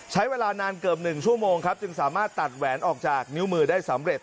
ใช้เวลานานเกือบ๑ชั่วโมงครับจึงสามารถตัดแหวนออกจากนิ้วมือได้สำเร็จ